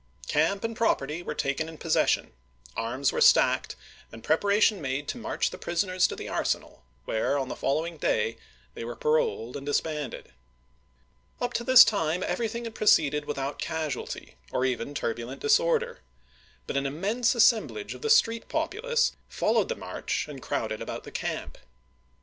Camp and property were taken in possession ; arms were stacked, and preparation made to march the prisoners to the arsenal, where on the following day they were paroled and disbanded. Up to this time everything had proceeded without casualty, or even turbulent disorder ; but an immense assem blage of the street populace followed the march and crowded about the camp.